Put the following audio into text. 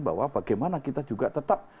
bahwa bagaimana kita juga tetap